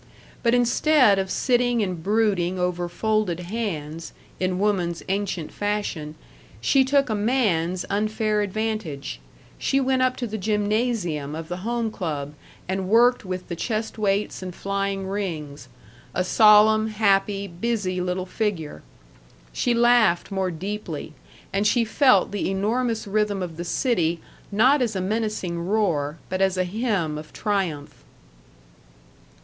But instead of sitting and brooding over folded hands, in woman's ancient fashion, she took a man's unfair advantage she went up to the gymnasium of the Home Club and worked with the chest weights and flying rings a solemn, happy, busy little figure. She laughed more deeply, and she felt the enormous rhythm of the city, not as a menacing roar, but as a hymn of triumph.